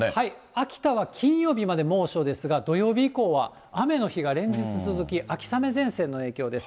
秋田は金曜日まで猛暑ですが、土曜日以降は雨の日が連日続き、秋雨前線の影響です。